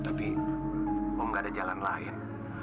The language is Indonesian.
tapi kok gak ada jalan lain